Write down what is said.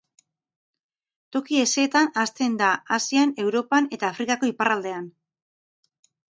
Toki hezeetan hazten da, Asian, Europan eta Afrikako iparraldean.